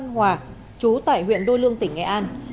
hòa chú tại huyện đôi lương tỉnh nghe an